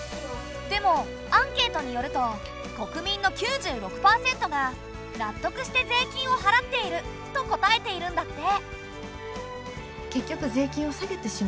でもアンケートによると国民の９６％が納得して税金を払っていると答えているんだって！